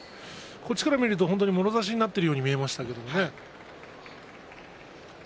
こちらから見るともろ差しになっているように見えましたけどね。